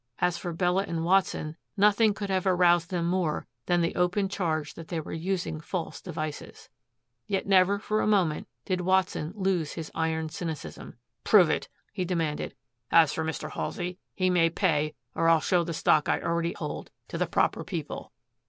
As for Bella and Watson, nothing could have aroused them more than the open charge that they were using false devices. Yet never for a moment did Watson lose his iron cynicism. "Prove it," he demanded. "As for Mr. Halsey, he may pay or I'll show the stock I already hold to the proper people."